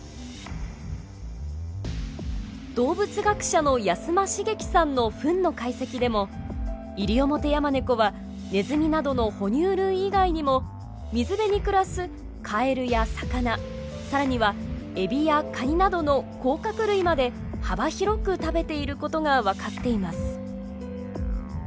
動物学者の安間繁樹さんのフンの解析でもイリオモテヤマネコはネズミなどのほ乳類以外にも水辺に暮らすカエルや魚更にはエビやカニなどの甲殻類まで幅広く食べていることが分かっています。